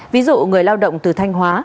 ví dụ người lao động từ thanh hóa